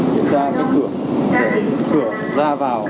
kiểm tra cửa ra vào